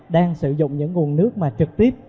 đang sử dụng những nguồn nước mà trực tiếp